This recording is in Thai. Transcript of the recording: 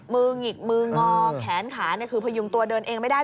หงิกมืองอแขนขาคือพยุงตัวเดินเองไม่ได้